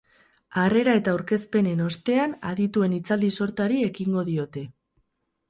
Harrera eta aurkezpenen ostean, adituen hitzaldi sortari ekingo diote.